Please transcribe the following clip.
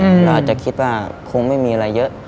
เราอาจจะคิดว่าคงไม่มีอะไรเยอะ